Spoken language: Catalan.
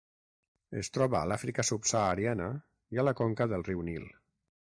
Es troba a l'Àfrica subsahariana i a la conca del riu Nil.